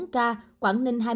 bốn ca quảng ninh